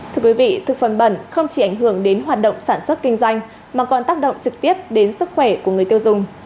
thưa quý vị thực phẩm bẩn không chỉ ảnh hưởng đến hoạt động sản xuất kinh doanh mà còn tác động trực tiếp đến sức khỏe của người tiêu dùng